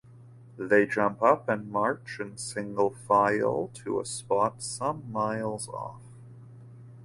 They jump up and march in single file to a spot some miles off.